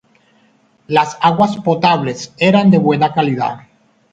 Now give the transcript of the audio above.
Las aguas potables eran de buena calidad.